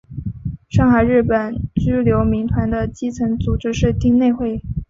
上海日本居留民团的基层组织是町内会。